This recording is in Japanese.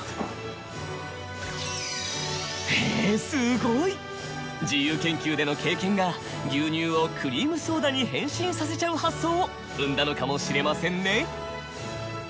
すごい！自由研究での経験が牛乳をクリームソーダに変身させちゃう発想を生んだのかもしれませんね。